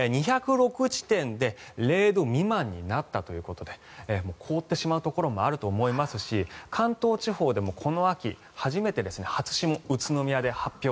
２０６地点で０度未満になったということで凍ってしまうところもあると思いますし関東地方でもこの秋、初めて初霜が宇都宮で発表